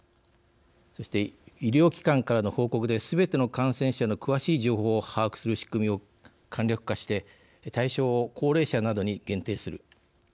そして、医療機関からの報告ですべての感染者の詳しい情報を把握する仕組みを簡略化して対象を高齢者などに限定する。